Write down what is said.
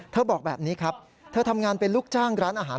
บอกแบบนี้ครับเธอทำงานเป็นลูกจ้างร้านอาหาร